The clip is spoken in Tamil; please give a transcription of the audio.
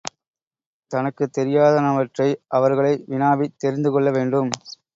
தனக்குத் தெரியாதனவற்றை அவர்களை வினாவித் தெரிந்து கொள்ள வேண்டும்.